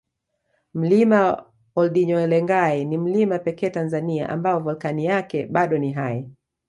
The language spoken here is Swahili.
Mlima oldinyolengai ni mlima pekee Tanzania ambao volkani yake bado ni hai